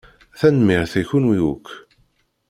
Tanemmirt i kenwi akk.